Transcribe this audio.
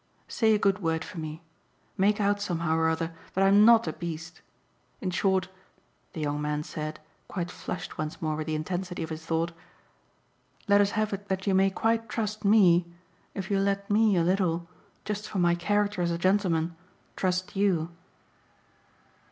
Say a good word for me. Make out somehow or other that I'm NOT a beast. In short," the young man said, quite flushed once more with the intensity of his thought, "let us have it that you may quite trust ME if you'll let me a little just for my character as a gentleman trust YOU."